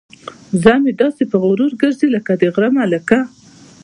وزه مې داسې په غرور ګرځي لکه د غره ملکه.